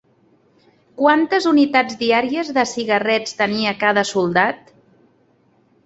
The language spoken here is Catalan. Quantes unitats diàries de cigarrets tenia cada soldat?